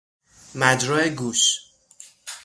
مجرا گوش